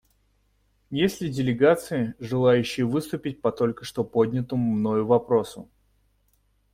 Есть ли делегации, желающие выступить по только что поднятому мною вопросу?